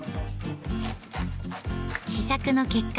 試作の結果